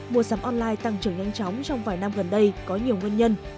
mua sắm online tăng trưởng nhanh chóng trong vài năm gần đây có nhiều nguyên nhân